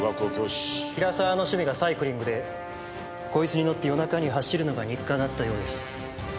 比良沢の趣味がサイクリングでこいつに乗って夜中に走るのが日課だったようです。